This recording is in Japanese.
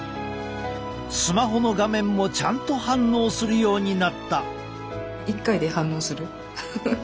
スマホの画面もちゃんと反応するようになった。